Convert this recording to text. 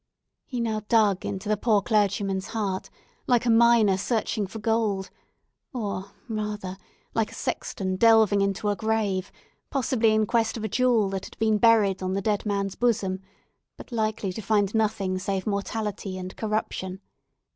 He now dug into the poor clergyman's heart, like a miner searching for gold; or, rather, like a sexton delving into a grave, possibly in quest of a jewel that had been buried on the dead man's bosom, but likely to find nothing save mortality and corruption.